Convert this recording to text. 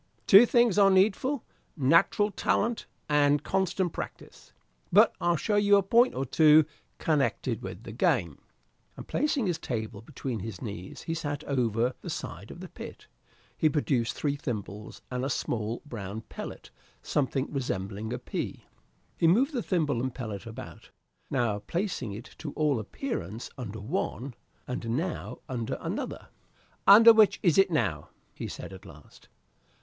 Two things are needful natural talent and constant practice. But I'll show you a point or two connected with the game," and, placing his table between his knees as he sat over the side of the pit, he produced three thimbles, and a small brown pellet, something resembling a pea. He moved the thimble and pellet about, now placing it to all appearance under one, and now under another. "Under which is it now?" he said at last.